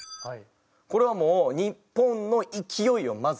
これはもう日本の勢いをまず。